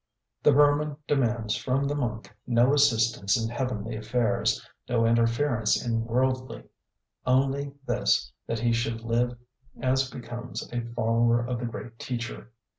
The Burman demands from the monk no assistance in heavenly affairs, no interference in worldly, only this, that he should live as becomes a follower of the great teacher.